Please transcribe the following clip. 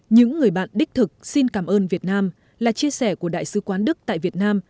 những người bạn đích thực xin cảm ơn việt nam là chia sẻ của đại sứ quán đức tại việt nam